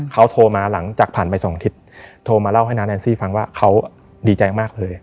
เขาโทรมาหลังจากผ่านไป๒อาทิตย์โทรมาเล่าให้น้าแอนซี่ฟังว่าเขาดีใจมากเลย